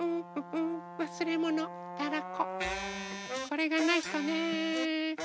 これがないとね。